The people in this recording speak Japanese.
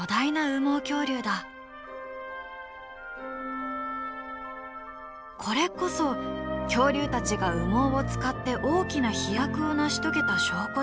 これこそ恐竜たちが羽毛を使って大きな飛躍を成し遂げた証拠だという。